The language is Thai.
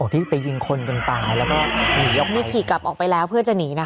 ที่ไปยิงคนจนตายแล้วก็ขี่ยกนี่ขี่กลับออกไปแล้วเพื่อจะหนีนะคะ